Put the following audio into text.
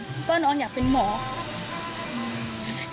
เพราะว่าน้องอยากเป็นหมอ